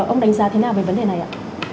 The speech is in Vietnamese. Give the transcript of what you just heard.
ông đánh giá thế nào về vấn đề này ạ